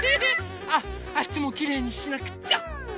あっあっちもきれいにしなくっちゃ！